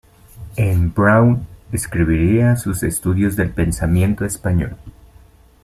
En Brown escribiría sus estudios del pensamiento español.